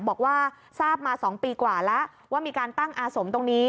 บอกว่าทราบมา๒ปีกว่าแล้วว่ามีการตั้งอาสมตรงนี้